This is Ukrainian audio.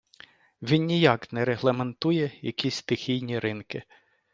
Він ніяк не регламентує якісь стихійні ринки.